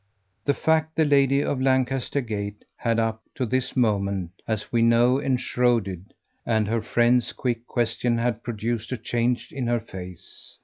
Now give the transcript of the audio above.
That fact the lady of Lancaster Gate had up to this moment, as we know, enshrouded, and her friend's quick question had produced a change in her face.